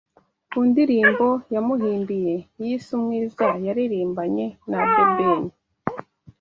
ku ndirimbo yamuhimbiye yise ’Umwiza’ yaririmbanye na The Ben